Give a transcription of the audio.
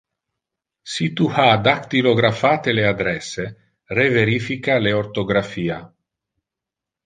Si tu ha dactylographate le adresse, re-verifica le orthographia.